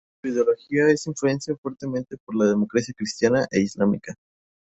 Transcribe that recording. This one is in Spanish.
Su ideología se influencia fuertemente por la democracia cristiana e islámica.